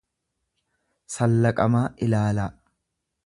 sallaqamaa ilaalaa.